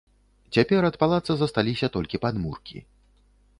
Цяпер ад палаца засталіся толькі падмуркі.